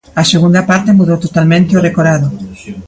A segunda parte mudou totalmente o decorado.